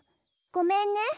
ごめんね。